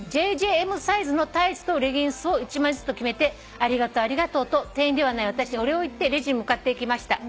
「ＪＪＭサイズのタイツとレギンスを１枚ずつと決めて『ありがとうありがとう』と店員ではない私にお礼を言ってレジに向かっていきました」